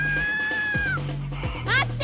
・まって！